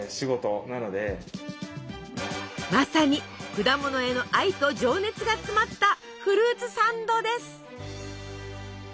まさに果物への愛と情熱が詰まったフルーツサンドです！